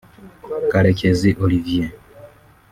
Karekezi Olivier